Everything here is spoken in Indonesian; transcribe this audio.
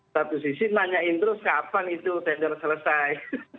satu sisi nanyain terus kapan itu tender selesai